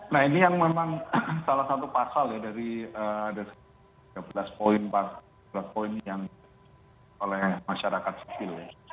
nah ini yang memang salah satu pasal ya dari ada tiga belas poin yang oleh masyarakat sipil